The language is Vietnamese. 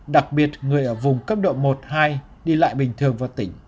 đặc biệt người ở vùng cấp độ một hai đi lại bình thường vào tỉnh